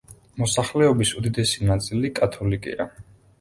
მოსახლეობის უდიდესი ნაწილი კათოლიკეა.